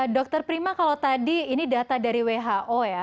dr prima kalau tadi ini data dari who ya